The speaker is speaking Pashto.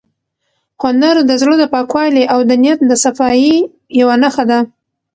هنر د زړه د پاکوالي او د نیت د صفایۍ یوه نښه ده.